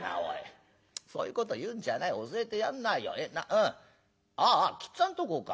うんああっ吉っつぁんとこか。